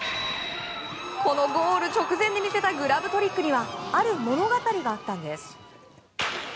このゴール直前で見せたグラブトリックにはある物語があったんです。